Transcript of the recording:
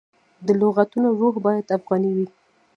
د لغتونو روح باید افغاني وي.